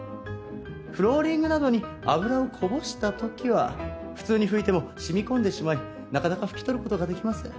フローリングなどに油をこぼした時は普通に拭いても染み込んでしまいなかなか拭き取る事ができません。